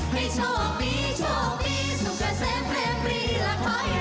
ให้โชคดีโชคดีสุขเสพเพลมดี